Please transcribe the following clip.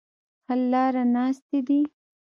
حل لاره ناستې دي.